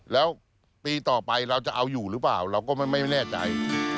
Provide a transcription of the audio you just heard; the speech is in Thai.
แล้วปีต่อไปเราจะเอาอยู่หรือเปล่าเราก็ไม่แน่ใจ